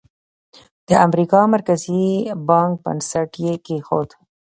د امریکا مرکزي بانک بنسټ یې کېښود.